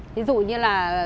ví dụ như là